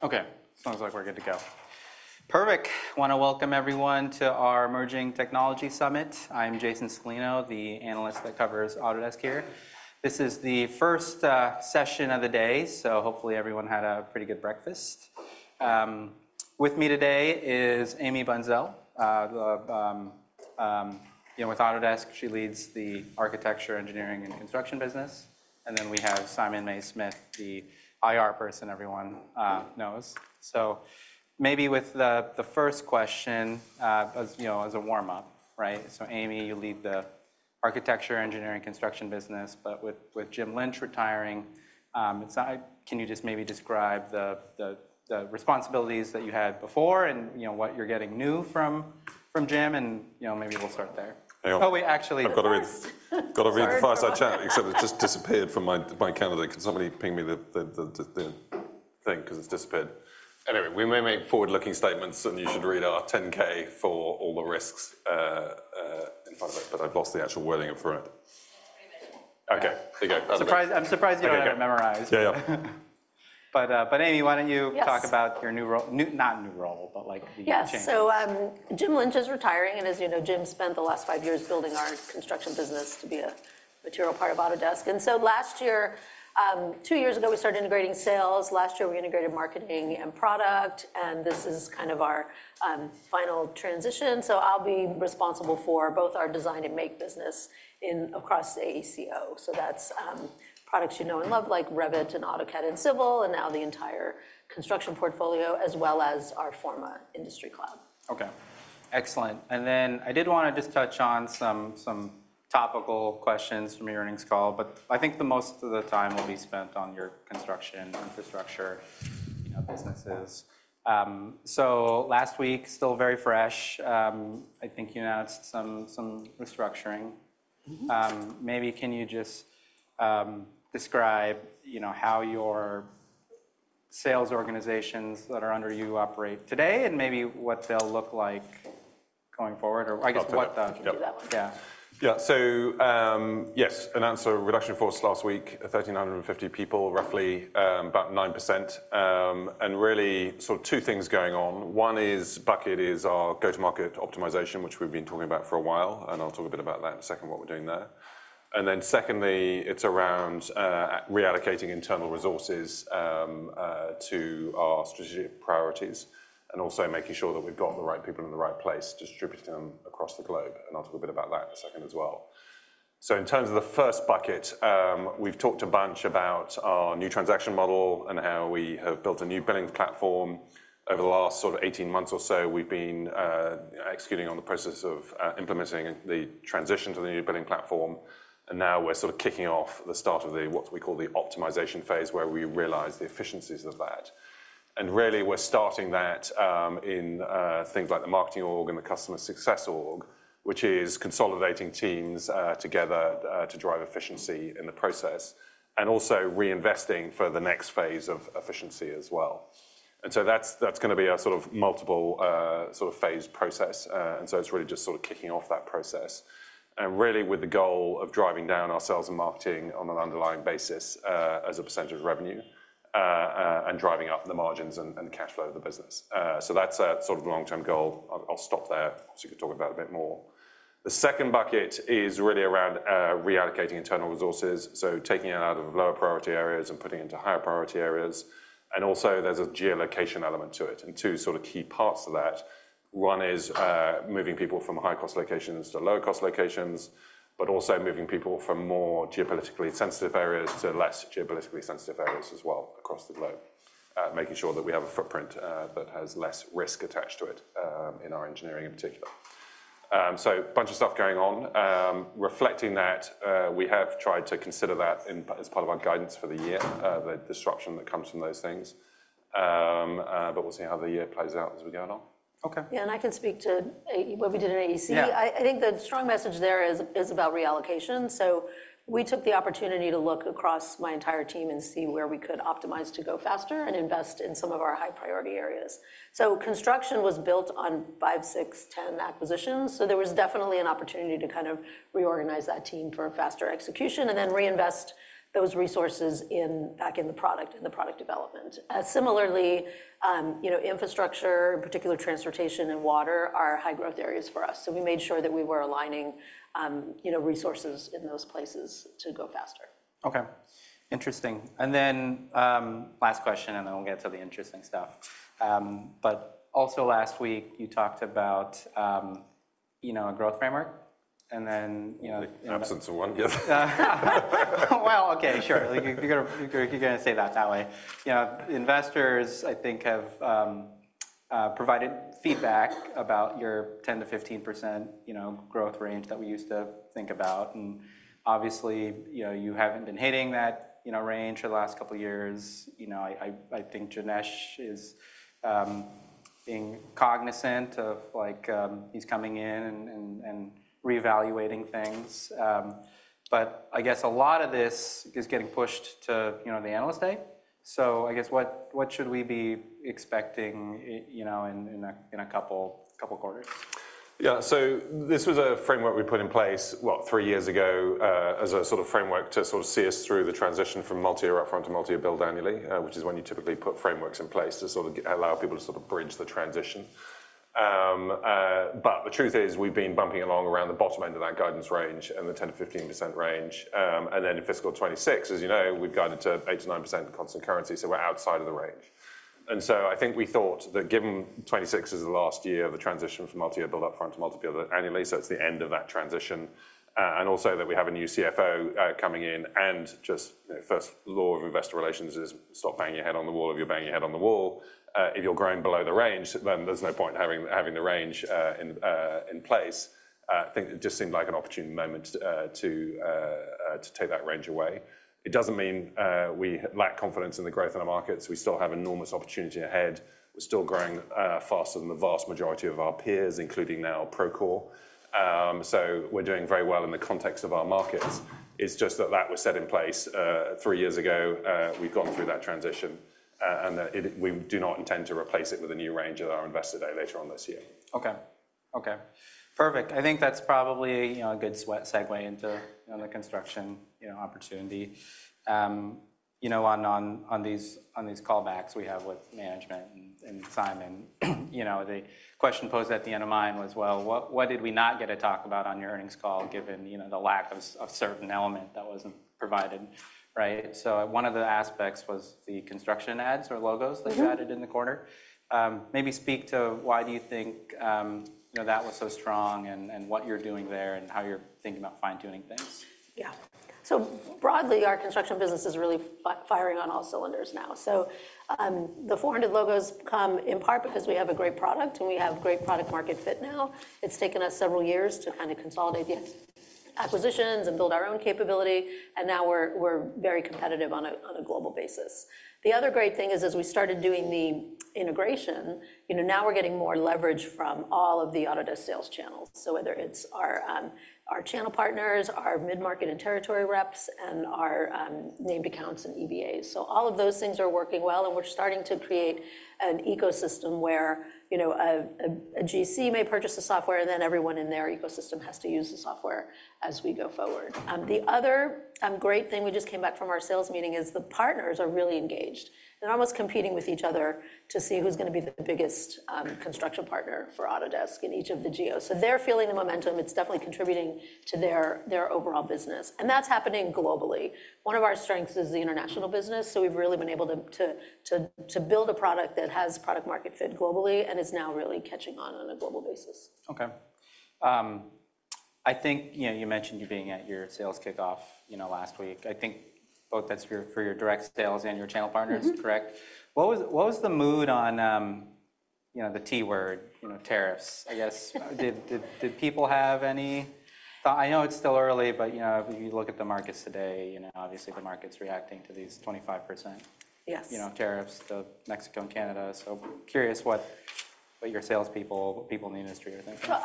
Okay, sounds like we're good to go. Perfect. I want to welcome everyone to our Emerging Technology Summit. I'm Jason Celino, the analyst that covers Autodesk here. This is the first session of the day, so hopefully everyone had a pretty good breakfast. With me today is Amy Bunszel. With Autodesk, she leads the architecture, engineering, and construction business. And then we have Simon Mays-Smith, the IR person everyone knows. So maybe with the first question as a warm-up, right? So Amy, you lead the architecture, engineering, and construction business. But with Jim Lynch retiring, can you just maybe describe the responsibilities that you had before and what you're getting new from Jim? And maybe we'll start there. Oh, we actually. I've got to read the fireside chat, except it just disappeared from my calendar because somebody pinged me the thing, because it's disappeared. Anyway, we may make forward-looking statements, and you should read our 10-K for all the risks in front of it. But I've lost the actual wording for it. OK, there you go. I'm surprised you don't get it memorized. Yeah, yeah. But Amy, why don't you talk about your new role? Not new role, but the changes. Yeah, so Jim Lynch is retiring. And as you know, Jim spent the last five years building our construction business to be a material part of Autodesk. And so last year, two years ago, we started integrating sales. Last year, we integrated marketing and product. And this is kind of our final transition. So I'll be responsible for both our design and make business across AECO. So that's products you know and love, like Revit and AutoCAD and Civil, and now the entire construction portfolio, as well as our Forma industry cloud. OK, excellent. And then I did want to just touch on some topical questions from your earnings call. But I think most of the time will be spent on your construction infrastructure businesses. So last week, still very fresh, I think you announced some restructuring. Maybe can you just describe how your sales organizations that are under you operate today and maybe what they'll look like going forward? Or I guess what? Yeah, so yes, we announced a reduction in force last week, 1,350 people, roughly about 9%. Really, sort of two things going on. One is bucket one, our go-to-market optimization, which we've been talking about for a while. I'll talk a bit about that in a second, what we're doing there. Then secondly, it's around reallocating internal resources to our strategic priorities and also making sure that we've got the right people in the right place distributing them across the globe. I'll talk a bit about that in a second as well. In terms of the first bucket, we've talked a bunch about our new transaction model and how we have built a new billing platform. Over the last sort of 18 months or so, we've been executing on the process of implementing the transition to the new billing platform. And now we're sort of kicking off the start of what we call the optimization phase, where we realize the efficiencies of that. And really, we're starting that in things like the marketing org and the customer success org, which is consolidating teams together to drive efficiency in the process and also reinvesting for the next phase of efficiency as well. And so that's going to be a sort of multiple sort of phased process. And so it's really just sort of kicking off that process, really with the goal of driving down our sales and marketing on an underlying basis as a percentage of revenue and driving up the margins and the cash flow of the business. So that's sort of the long-term goal. I'll stop there. So you can talk about it a bit more. The second bucket is really around reallocating internal resources, so taking it out of lower priority areas and putting it into higher priority areas. And also, there's a geolocation element to it and two sort of key parts to that. One is moving people from high-cost locations to lower-cost locations, but also moving people from more geopolitically sensitive areas to less geopolitically sensitive areas as well across the globe, making sure that we have a footprint that has less risk attached to it in our engineering in particular. So a bunch of stuff going on. Reflecting that, we have tried to consider that as part of our guidance for the year, the disruption that comes from those things. But we'll see how the year plays out as we go along. OK. Yeah, and I can speak to what we did in AEC. I think the strong message there is about reallocation, so we took the opportunity to look across my entire team and see where we could optimize to go faster and invest in some of our high-priority areas, so construction was built on five, six, 10 acquisitions. So there was definitely an opportunity to kind of reorganize that team for faster execution and then reinvest those resources back in the product and the product development. Similarly, infrastructure, in particular transportation and water, are high-growth areas for us, so we made sure that we were aligning resources in those places to go faster. OK, interesting. And then, last question, and then we'll get to the interesting stuff. But also, last week, you talked about a growth framework. And then. Absence of one, yes. OK, sure. You're going to say that that way. Investors, I think, have provided feedback about your 10%-15% growth range that we used to think about, and obviously, you haven't been hitting that range for the last couple of years. I think Janesh is being cognizant of his coming in and reevaluating things, but I guess a lot of this is getting pushed to the Analyst Day, so I guess what should we be expecting in a couple of quarters? Yeah, so this was a framework we put in place, well, three years ago as a sort of framework to sort of see us through the transition from multi-year upfront to multi-year bill annually, which is when you typically put frameworks in place to sort of allow people to sort of bridge the transition. But the truth is, we've been bumping along around the bottom end of that guidance range and the 10%-15% range. And then in fiscal 2026, as you know, we've guided to 8%-9% constant currency. So we're outside of the range. And so I think we thought that given 2026 is the last year of the transition from multi-year bill upfront to multi-year bill annually, so it's the end of that transition, and also that we have a new CFO coming in. Just first law of investor relations is stop banging your head on the wall if you're banging your head on the wall. If you're growing below the range, then there's no point in having the range in place. I think it just seemed like an opportune moment to take that range away. It doesn't mean we lack confidence in the growth in our markets. We still have enormous opportunity ahead. We're still growing faster than the vast majority of our peers, including now Procore. We're doing very well in the context of our markets. It's just that that was set in place three years ago. We've gone through that transition. We do not intend to replace it with a new range at our investor day later on this year. OK, OK, perfect. I think that's probably a good segue into the construction opportunity. On these callbacks we have with management and Simon, the question posed at the end of mine was, well, what did we not get to talk about on your earnings call given the lack of a certain element that wasn't provided, right? So one of the aspects was the construction adds or logos that you added in the corner. Maybe speak to why do you think that was so strong and what you're doing there and how you're thinking about fine-tuning things. Yeah, so broadly, our construction business is really firing on all cylinders now. So the 400 logos come in part because we have a great product and we have great product-market fit now. It's taken us several years to kind of consolidate the acquisitions and build our own capability. And now we're very competitive on a global basis. The other great thing is, as we started doing the integration, now we're getting more leverage from all of the Autodesk sales channels. So whether it's our channel partners, our mid-market and territory reps, and our named accounts and EBAs. So all of those things are working well. And we're starting to create an ecosystem where a GC may purchase the software, and then everyone in their ecosystem has to use the software as we go forward. The other great thing we just came back from our sales meeting is the partners are really engaged. They're almost competing with each other to see who's going to be the biggest construction partner for Autodesk in each of the geos, so they're feeling the momentum. It's definitely contributing to their overall business, and that's happening globally. One of our strengths is the international business, so we've really been able to build a product that has product-market fit globally and is now really catching on a global basis. OK, I think you mentioned you being at your sales kickoff last week. I think both that's for your direct sales and your channel partners, correct? Mm-hmm. What was the mood on the T-word, tariffs, I guess? Did people have any thought? I know it's still early, but if you look at the markets today, obviously, the market's reacting to these 25% tariffs to Mexico and Canada. So curious what your salespeople, what people in the industry are thinking. So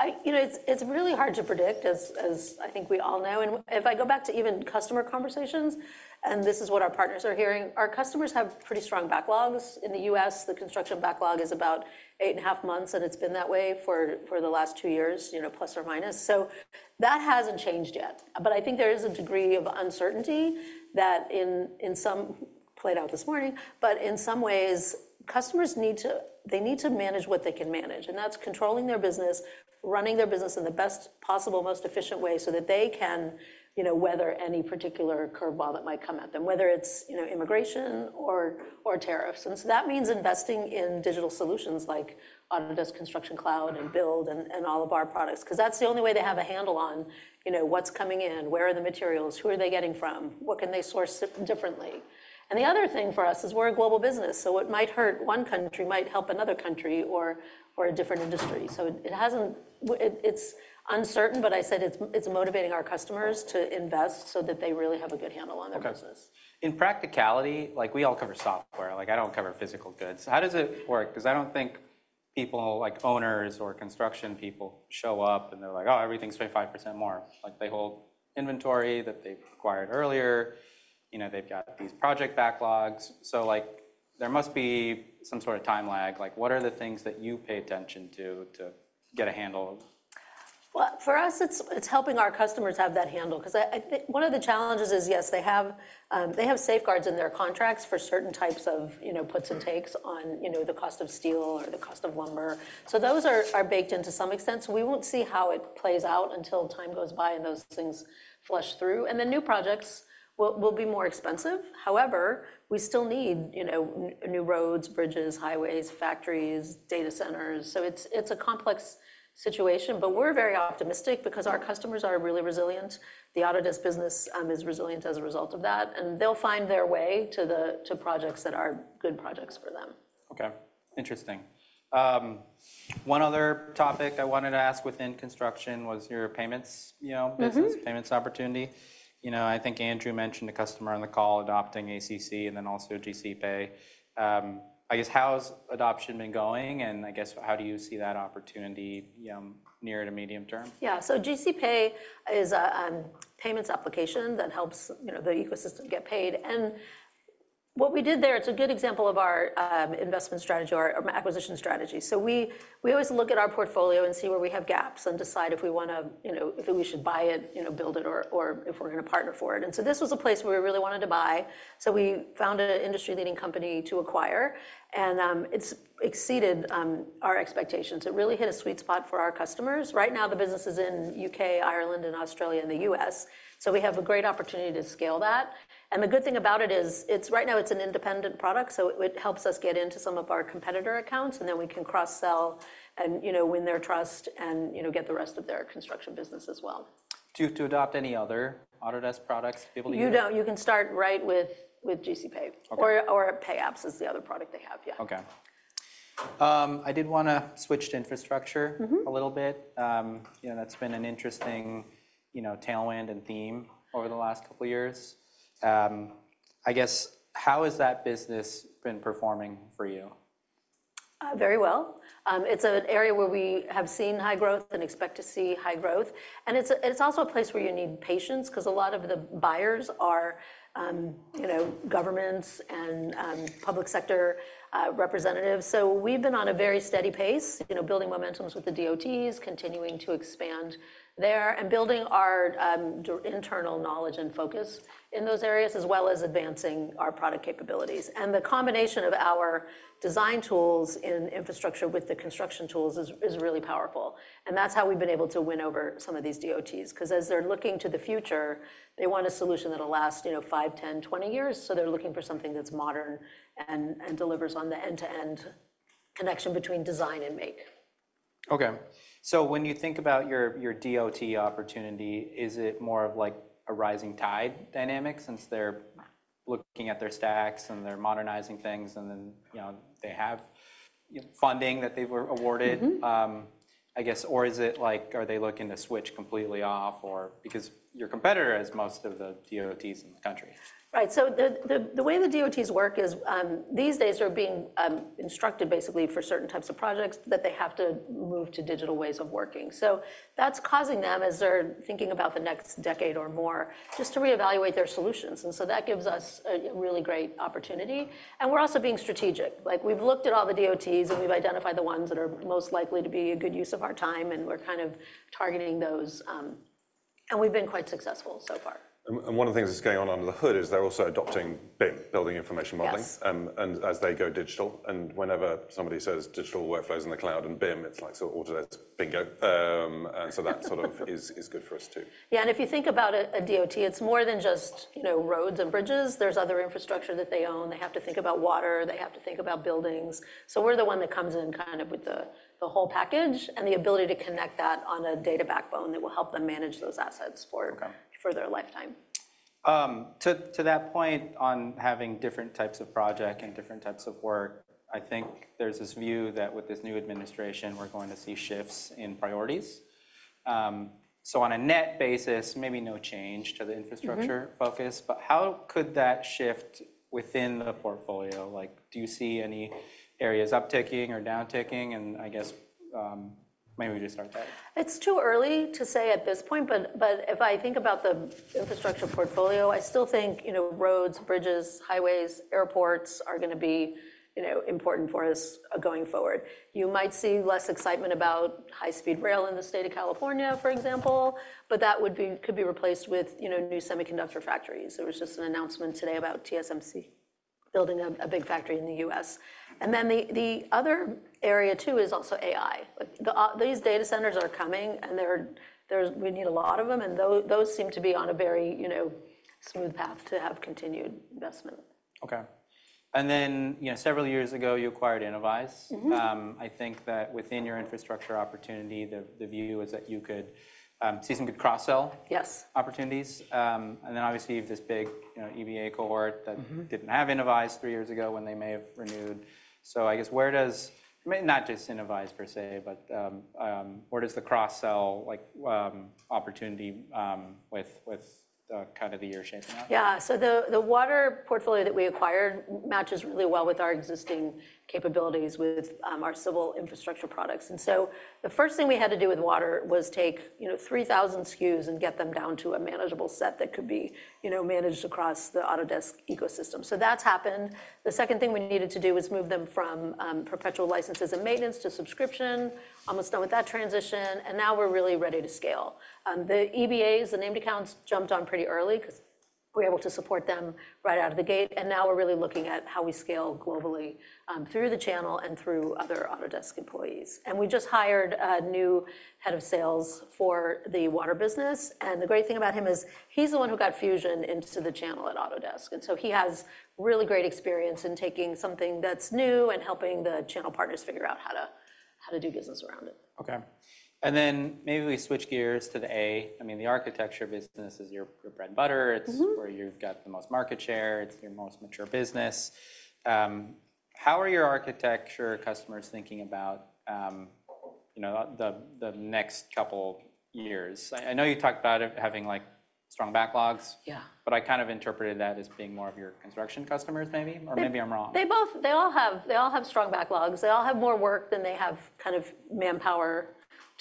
it's really hard to predict, as I think we all know. And if I go back to even customer conversations, and this is what our partners are hearing, our customers have pretty strong backlogs. In the U.S., the construction backlog is about eight and a half months. And it's been that way for the last two years, plus or minus. So that hasn't changed yet. But I think there is a degree of uncertainty that in some way played out this morning. But in some ways, customers need to manage what they can manage. And that's controlling their business, running their business in the best possible, most efficient way so that they can weather any particular curveball that might come at them, whether it's immigration or tariffs. And so that means investing in digital solutions like Autodesk Construction Cloud and Build and all of our products, because that's the only way they have a handle on what's coming in, where are the materials, who are they getting from, what can they source differently. And the other thing for us is we're a global business. So what might hurt one country might help another country or a different industry. So it's uncertain. But I said it's motivating our customers to invest so that they really have a good handle on their business. In practicality, we all cover software. I don't cover physical goods. How does it work? Because I don't think people like owners or construction people show up and they're like, oh, everything's 25% more. They hold inventory that they've acquired earlier. They've got these project backlogs. So there must be some sort of time lag. What are the things that you pay attention to to get a handle? For us, it's helping our customers have that handle. Because one of the challenges is, yes, they have safeguards in their contracts for certain types of puts and takes on the cost of steel or the cost of lumber. Those are baked into some extent. We won't see how it plays out until time goes by and those things flush through. New projects will be more expensive. However, we still need new roads, bridges, highways, factories, data centers. It's a complex situation. We're very optimistic because our customers are really resilient. The Autodesk business is resilient as a result of that. They'll find their way to projects that are good projects for them. OK, interesting. One other topic I wanted to ask within construction was your payments business, payments opportunity. I think Andrew mentioned a customer on the call adopting ACC and then also GCPay. I guess, how's adoption been going? And I guess, how do you see that opportunity near to medium term? Yeah, so GCPay is a payments application that helps the ecosystem get paid. And what we did there, it's a good example of our investment strategy or acquisition strategy. So we always look at our portfolio and see where we have gaps and decide if we want to, if we should buy it, build it, or if we're going to partner for it. And so this was a place where we really wanted to buy. So we found an industry-leading company to acquire. And it's exceeded our expectations. It really hit a sweet spot for our customers. Right now, the business is in the U.K., Ireland, and Australia, and the U.S. So we have a great opportunity to scale that. And the good thing about it is, right now, it's an independent product. So it helps us get into some of our competitor accounts. And then we can cross-sell and win their trust and get the rest of their construction business as well. Do you have to adopt any other Autodesk products? You don't. You can start right with GCPay. Or Payapps is the other product they have, yeah. OK. I did want to switch to infrastructure a little bit. That's been an interesting tailwind and theme over the last couple of years. I guess, how has that business been performing for you? Very well. It's an area where we have seen high growth and expect to see high growth, and it's also a place where you need patience because a lot of the buyers are governments and public sector representatives, so we've been on a very steady pace, building momentums with the DOTs, continuing to expand there, and building our internal knowledge and focus in those areas, as well as advancing our product capabilities, and the combination of our design tools in infrastructure with the construction tools is really powerful, and that's how we've been able to win over some of these DOTs. Because as they're looking to the future, they want a solution that'll last five, 10, 20 years, so they're looking for something that's modern and delivers on the end-to-end connection between design and make. Okay, so when you think about your DOT opportunity, is it more of like a rising tide dynamic since they're looking at their stacks and they're modernizing things and then they have funding that they've awarded, I guess? Or is it like are they looking to switch completely off? Because your competitor has most of the DOTs in the country. Right, so the way the DOTs work is, these days, they're being instructed basically for certain types of projects that they have to move to digital ways of working, so that's causing them, as they're thinking about the next decade or more, just to reevaluate their solutions, and so that gives us a really great opportunity, and we're also being strategic. We've looked at all the DOTs, and we've identified the ones that are most likely to be a good use of our time, and we're kind of targeting those, and we've been quite successful so far. And one of the things that's going on under the hood is they're also adopting BIM, Building Information Modeling, as they go digital. And whenever somebody says digital workflows in the cloud and BIM, it's like sort of Autodesk Bingo. And so that sort of is good for us too. Yeah, and if you think about a DOT, it's more than just roads and bridges. There's other infrastructure that they own. They have to think about water. They have to think about buildings. So we're the one that comes in kind of with the whole package and the ability to connect that on a data backbone that will help them manage those assets for their lifetime. To that point on having different types of project and different types of work, I think there's this view that with this new administration, we're going to see shifts in priorities, so on a net basis, maybe no change to the infrastructure focus, but how could that shift within the portfolio? Do you see any areas upticking or downticking, and I guess, maybe we just start there. It's too early to say at this point. But if I think about the infrastructure portfolio, I still think roads, bridges, highways, airports are going to be important for us going forward. You might see less excitement about high-speed rail in the state of California, for example. But that could be replaced with new semiconductor factories. There was just an announcement today about TSMC building a big factory in the U.S. And then the other area, too, is also AI. These data centers are coming. And we need a lot of them. And those seem to be on a very smooth path to have continued investment. OK, and then several years ago, you acquired Innovyze. I think that within your infrastructure opportunity, the view was that you could see some good cross-sell opportunities. And then obviously, you have this big EBA cohort that didn't have Innovyze three years ago when they may have renewed. So I guess, where does not just Innovyze per se, but where does the cross-sell opportunity with kind of the year shaping up? Yeah, so the water portfolio that we acquired matches really well with our existing capabilities with our civil infrastructure products, and so the first thing we had to do with water was take 3,000 SKUs and get them down to a manageable set that could be managed across the Autodesk ecosystem, so that's happened. The second thing we needed to do was move them from perpetual licenses and maintenance to subscription. Almost done with that transition, and now we're really ready to scale. The EBAs, the named accounts, jumped on pretty early because we're able to support them right out of the gate, and now we're really looking at how we scale globally through the channel and through other Autodesk employees, and we just hired a new head of sales for the water business. The great thing about him is he's the one who got Fusion into the channel at Autodesk. So he has really great experience in taking something that's new and helping the channel partners figure out how to do business around it. OK, and then maybe we switch gears to the AEC. I mean, the architecture business is your bread and butter. It's where you've got the most market share. It's your most mature business. How are your architecture customers thinking about the next couple of years? I know you talked about having strong backlogs. Yeah. But I kind of interpreted that as being more of your construction customers, maybe. Or maybe I'm wrong. They all have strong backlogs. They all have more work than they have kind of manpower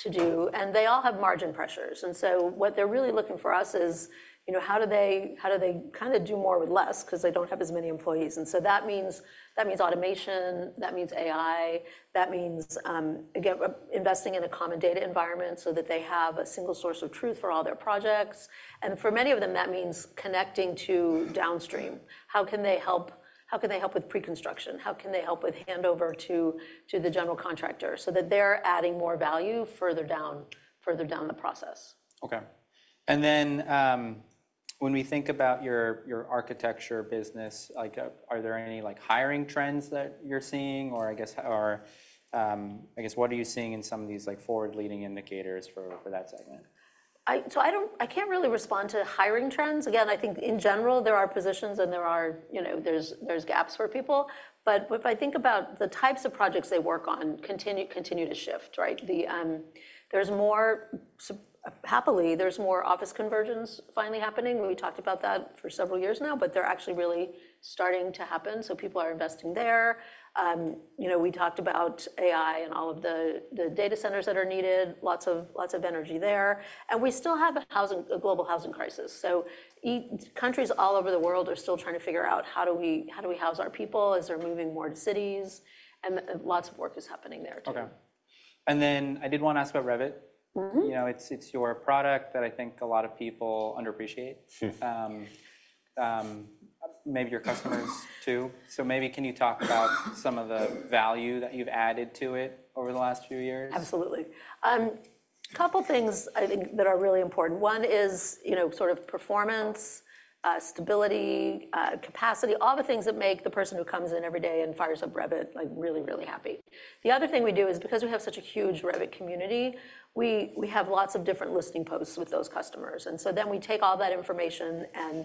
to do. And they all have margin pressures. And so what they're really looking for us is how do they kind of do more with less because they don't have as many employees. And so that means automation. That means AI. That means investing in a common data environment so that they have a single source of truth for all their projects. And for many of them, that means connecting to downstream. How can they help with pre-construction? How can they help with handover to the general contractor so that they're adding more value further down the process? OK, and then when we think about your architecture business, are there any hiring trends that you're seeing? Or I guess, what are you seeing in some of these forward-looking indicators for that segment? So I can't really respond to hiring trends. Again, I think, in general, there are positions and there are gaps for people. But if I think about the types of projects they work on, continue to shift. There's more happily, there's more office conversions finally happening. We talked about that for several years now. But they're actually really starting to happen. So people are investing there. We talked about AI and all of the data centers that are needed, lots of energy there. And we still have a global housing crisis. So countries all over the world are still trying to figure out how do we house our people as they're moving more to cities. And lots of work is happening there too. OK, and then I did want to ask about Revit. It's your product that I think a lot of people underappreciate, maybe your customers too. So maybe can you talk about some of the value that you've added to it over the last few years? Absolutely. A couple of things I think that are really important. One is sort of performance, stability, capacity, all the things that make the person who comes in every day and fires up Revit really, really happy. The other thing we do is because we have such a huge Revit community, we have lots of different listening posts with those customers. And so then we take all that information and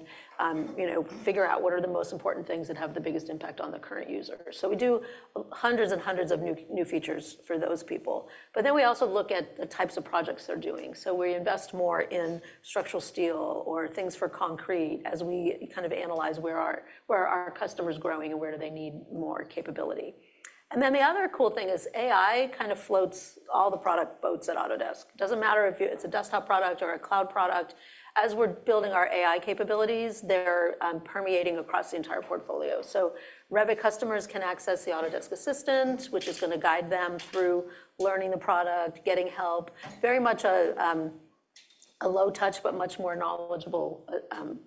figure out what are the most important things that have the biggest impact on the current user. So we do hundreds and hundreds of new features for those people. But then we also look at the types of projects they're doing. So we invest more in structural steel or things for concrete as we kind of analyze where our customer's growing and where do they need more capability. And then the other cool thing is AI kind of floats all the product boats at Autodesk. It doesn't matter if it's a desktop product or a cloud product. As we're building our AI capabilities, they're permeating across the entire portfolio. So Revit customers can access the Autodesk Assistant, which is going to guide them through learning the product, getting help, very much a low-touch but much more knowledgeable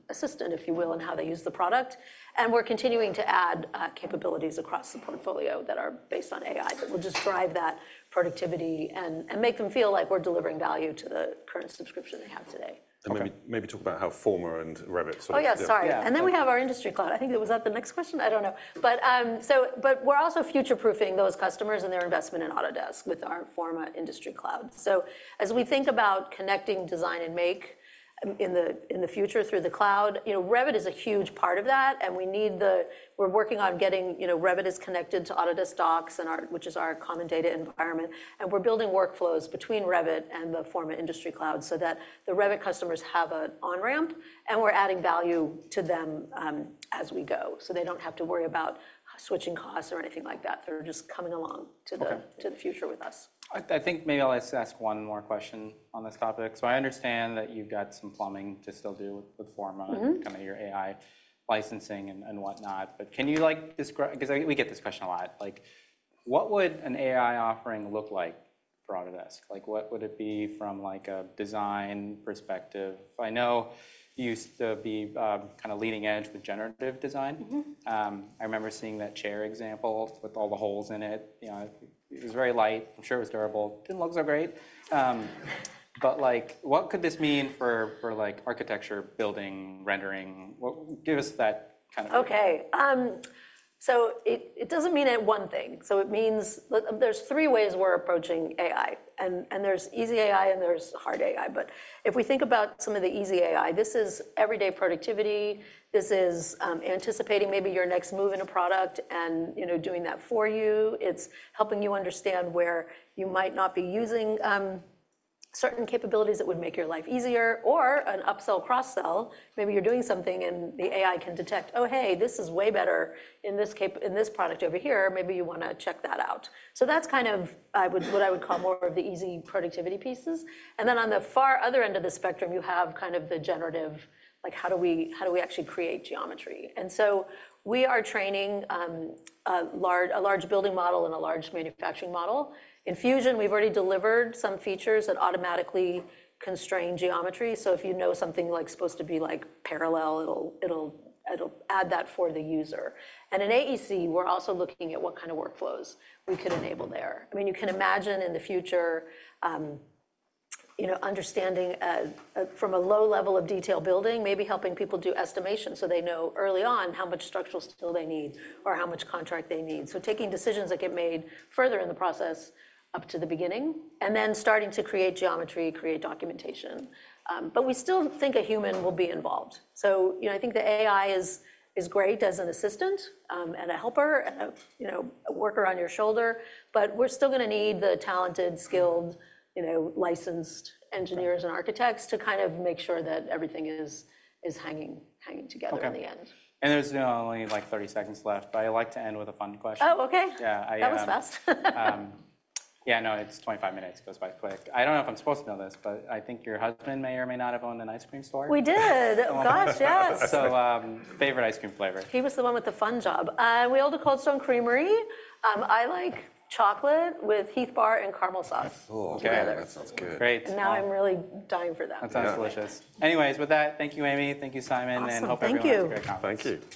assistant, if you will, in how they use the product. And we're continuing to add capabilities across the portfolio that are based on AI that will just drive that productivity and make them feel like we're delivering value to the current subscription they have today. Maybe talk about how Forma and Revit sort of. Oh, yeah, sorry. And then we have our industry cloud. I think that was the next question? I don't know. But we're also future-proofing those customers and their investment in Autodesk with our Forma industry cloud. So as we think about connecting design and make in the future through the cloud, Revit is a huge part of that. And we're working on getting Revit connected to Autodesk Docs, which is our common data environment. And we're building workflows between Revit and the Forma industry cloud so that the Revit customers have an on-ramp. And we're adding value to them as we go so they don't have to worry about switching costs or anything like that. They're just coming along to the future with us. I think maybe I'll just ask one more question on this topic. So I understand that you've got some plumbing to still do with Forma, kind of your AI licensing and whatnot. But can you describe, because we get this question a lot, what would an AI offering look like for Autodesk? What would it be from a design perspective? I know you used to be kind of leading edge with generative design. I remember seeing that chair example with all the holes in it. It was very light. I'm sure it was durable. Didn't look so great. But what could this mean for architecture, building, rendering? Give us that kind of. Okay. So it doesn't mean one thing. So it means there's three ways we're approaching AI. And there's easy AI and there's hard AI. But if we think about some of the easy AI, this is everyday productivity. This is anticipating maybe your next move in a product and doing that for you. It's helping you understand where you might not be using certain capabilities that would make your life easier. Or an upsell, cross-sell, maybe you're doing something and the AI can detect, oh, hey, this is way better in this product over here. Maybe you want to check that out. So that's kind of what I would call more of the easy productivity pieces. And then on the far other end of the spectrum, you have kind of the generative, how do we actually create geometry? We are training a large building model and a large manufacturing model. In Fusion, we've already delivered some features that automatically constrain geometry. If you know something like supposed to be parallel, it'll add that for the user. In AEC, we're also looking at what kind of workflows we could enable there. I mean, you can imagine in the future, understanding from a low level of detail building, maybe helping people do estimations so they know early on how much structural steel they need or how much concrete they need. Taking decisions that get made further in the process up to the beginning and then starting to create geometry, create documentation. We still think a human will be involved. I think the AI is great as an assistant and a helper, a worker on your shoulder. But we're still going to need the talented, skilled, licensed engineers and architects to kind of make sure that everything is hanging together in the end. And there's only like 30 seconds left. But I like to end with a fun question. Oh, OK. That was fast. Yeah, no, it's 25 minutes. It goes by quick. I don't know if I'm supposed to know this, but I think your husband may or may not have owned an ice cream store. We did. Gosh, yes. Favorite ice cream flavor? He was the one with the fun job. We owned a Cold Stone Creamery. I like chocolate with Heath Bar and caramel sauce together. Oh, OK. That sounds good. Now I'm really dying for that. That sounds delicious. Anyways, with that, thank you, Amy. Thank you, Simon, and hope everyone has a great conference. Thank you.